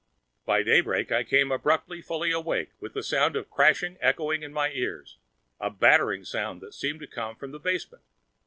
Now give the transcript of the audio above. At daybreak, I came abruptly fully awake with the sound of crashing echoing in my ears, a battering sound that seemed to come from the basement.